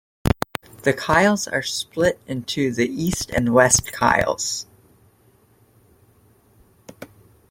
The Kyles are split into the East and West kyles.